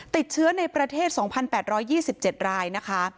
ติดเชื้อในประเทศ๒๘๒๗รายนะคะ